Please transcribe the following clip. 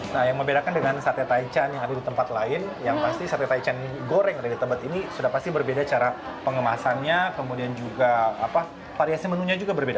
nah yang membedakan dengan sate taichan yang ada di tempat lain yang pasti sate taichan goreng ada di tebet ini sudah pasti berbeda cara pengemasannya kemudian juga variasi menunya juga berbeda